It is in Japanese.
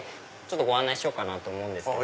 ご案内しようかと思うんですけど。